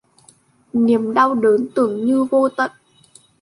Niềm đau đớn tưởng như vô tận